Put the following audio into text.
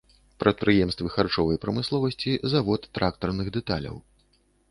Прадпрыемствы харчовай прамысловасці, завод трактарных дэталяў.